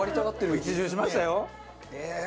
一巡しましたよ。